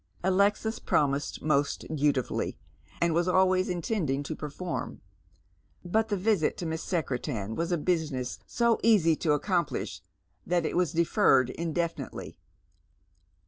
Alexia promised most dutifully, and was always intending to perfonn; but the visit to Miss Secretan was a business so easy to accomplish that it was deferred indefinitely.